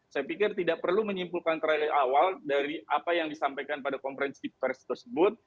saya pikir tidak perlu menyimpulkan terlalu awal dari apa yang disampaikan pada konferensi pers tersebut